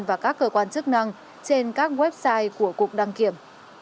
và các cơ quan chức năng trên các website của cục đăng kiểm